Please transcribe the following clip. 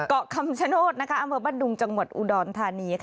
เกาะคำชโนธอำเภอบ้านดุงจังหวัดอุดรธานี